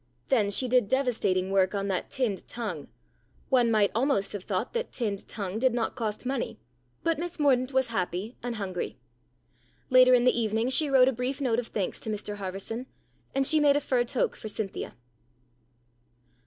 Then she did devastating work on that tinned tongue one might almost have thought that tinned tongue did not cost money, But Miss Mordaunt was happy and hungry. Later in the evening she wrote a brief note of thanks to Mr Harverson, and she made a fur toque for Cynthia.